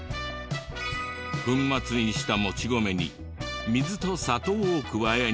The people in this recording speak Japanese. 粉末にしたモチ米に水と砂糖を加え煮詰めた